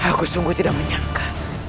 aku sungguh tidak menyangka